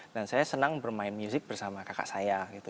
dan saya senang bermain music bersama kakak saya gitu